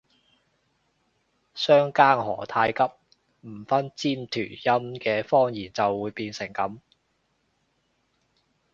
相姦何太急，唔分尖團音嘅方言就會變成噉